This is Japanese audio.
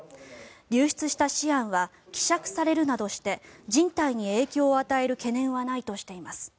流出したシアンは希釈されるなどして人体に影響を与える懸念はないとしています。